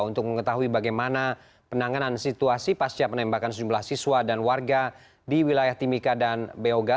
untuk mengetahui bagaimana penanganan situasi pasca penembakan sejumlah siswa dan warga di wilayah timika dan beoga